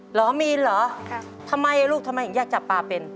เหรอมีนเหรอทำไมลูกทำไมถึงอยากจับปลาเป็น